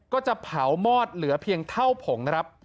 ก็จะเผามอดเหลือเพียงเท่าผงนะครับ